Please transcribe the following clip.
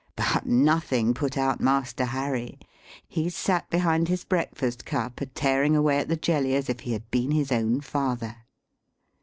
But nothing put out Master Harry. He sat behind his breakfast cup, a tearing away at the jelly, as if he had been his own father.